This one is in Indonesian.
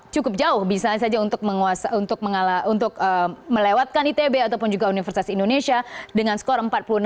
cukup jauh bisa saja untuk menguasa untuk melewatkan itb ataupun juga universitas indonesia dengan skor empat puluh enam